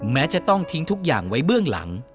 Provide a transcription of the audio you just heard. แม้จะต้องทิ้งทุกอย่างไว้เบื้องหลัง